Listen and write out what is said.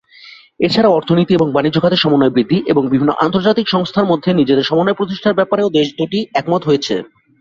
এছাড়াও অর্থনীতি এবং বাণিজ্য খাতে সমন্বয় বৃদ্ধি এবং বিভিন্ন আন্তর্জাতিক সংস্থার মধ্যে নিজেদের সমন্বয় প্রতিষ্ঠার ব্যাপারেও দেশ দুটি একমত হয়েছে।